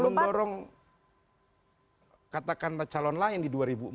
mendorong katakan calon lain di dua ribu empat dua ribu sembilan belas